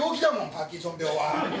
パーキンソン病は。